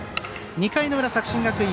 ２回の裏、作新学院。